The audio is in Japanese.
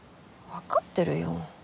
わかってるよ。